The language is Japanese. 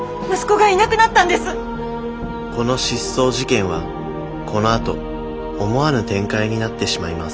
この失踪事件はこのあと思わぬ展開になってしまいます